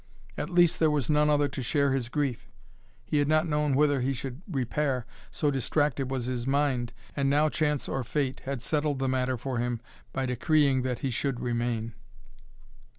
At least there was none other to share his grief! He had not known whither he should repair, so distracted was his mind, and now chance or fate had settled the matter for him by decreeing that he should remain.